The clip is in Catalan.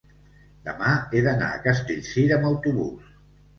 demà he d'anar a Castellcir amb autobús.